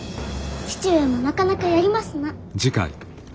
義父上もなかなかやりますな。